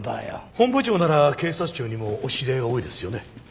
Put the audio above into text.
本部長なら警察庁にもお知り合い多いですよね。